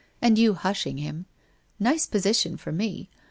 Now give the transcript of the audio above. And you hushing him. Nice position for me